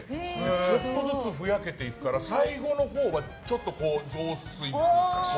ちょっとずつふやけていくから最後のほうはちょっと雑炊。